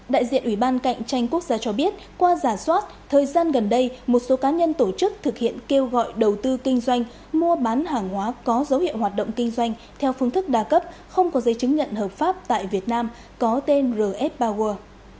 đại diện ủy ban cạnh tranh quốc gia cho biết qua giả soát thời gian gần đây một số cá nhân tổ chức thực hiện kêu gọi đầu tư kinh doanh mua bán hàng hóa có dấu hiệu hoạt động kinh doanh theo phương thức đa cấp không có giấy chứng nhận hợp pháp tại việt nam có tên rf poworld